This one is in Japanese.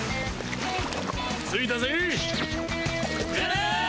着いたぜ。